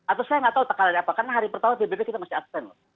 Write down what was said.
atau saya nggak tahu tekanannya apa karena hari pertama pbb kita masih abstain loh